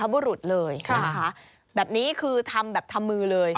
แบบนี้คือทำแบบทำมือเลย